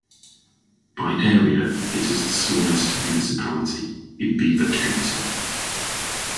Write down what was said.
By area, it is the smallest municipality in Beaver County.